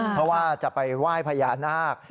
เพราะว่าจะไปไหว้พญานาค